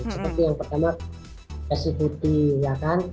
seperti yang pertama kasih putih ya kan